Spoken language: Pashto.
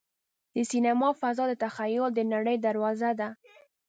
د سینما فضا د تخیل د نړۍ دروازه ده.